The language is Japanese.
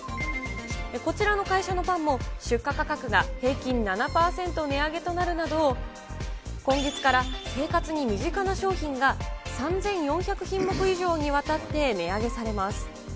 こちらの会社のパンも出荷価格が平均７％値上げとなるなど、今月から生活に身近な商品が３４００品目以上にわたって、値上げされます。